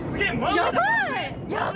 やばい！